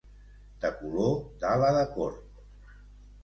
De color d'ala de corb.